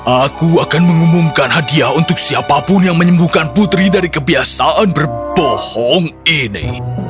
aku akan mengumumkan hadiah untuk siapapun yang menyembuhkan putri dari kebiasaan berbohong ini